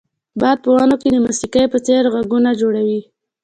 باد په ونو کې د موسیقۍ په څیر غږونه جوړول